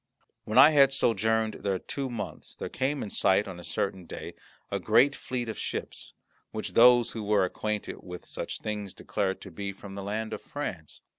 When I had sojourned there two months there came in sight on a certain day a great fleet of ships, which those who were acquainted with such things declared to be from the land of France.